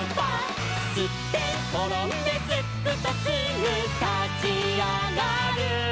「すってんころんですっくとすぐたちあがる」